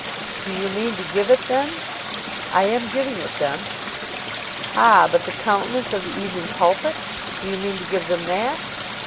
"Do you mean to give it then?" "I am giving it them." "Ah; but the countenance of the 'Evening Pulpit.' Do you mean to give them that?"